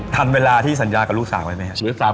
ทันเวลาที่สัญญากับลูกสาวไว้ไหมครับ